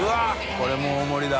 これも大盛りだ。